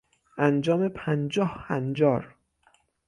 انجام پنجاه هنجار